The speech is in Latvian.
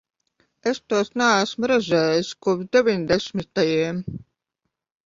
Es tos neesmu redzējis kopš deviņdesmitajiem.